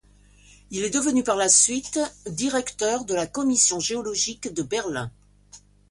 Il est devenu par la suite directeur de la Commission géologique de Berlin.